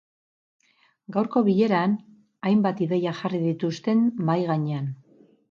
Gaurko bileran hainbat ideia jarri dituzten mahai gainean.